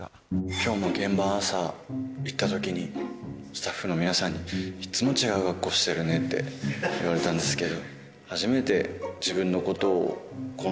今日も現場朝行った時にスタッフの皆さんにいつも違う格好してるねって言われたんですけど。